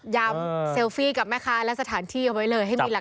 เซลฟี่กับแม่ค้าและสถานที่เอาไว้เลยให้มีหลักฐาน